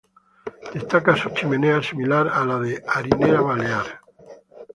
Destaca su chimenea, similar a la de Harinera Balear.